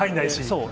そう。